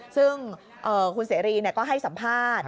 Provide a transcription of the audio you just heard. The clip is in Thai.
ซึ่งคุณเสรีก็ให้สัมภาษณ์